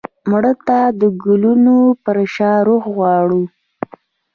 مړه ته د ګلونو په شان روح غواړو